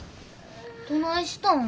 どないしたん？